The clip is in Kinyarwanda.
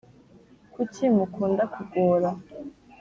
kucyi mukunda kugora